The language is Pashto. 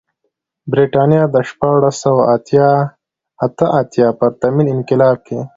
د برېټانیا د شپاړس سوه اته اتیا پرتمین انقلاب کې.